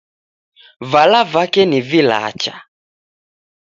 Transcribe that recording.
Vala vake ni vilacha.